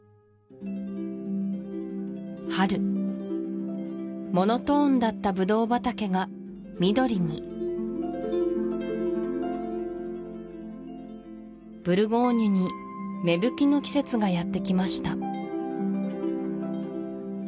春モノトーンだったブドウ畑が緑にブルゴーニュに芽吹きの季節がやってきました